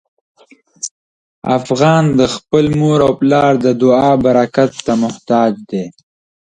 افغان د خپل مور او پلار د دعا برکت ته محتاج دی.